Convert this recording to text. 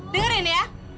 dengar ini ya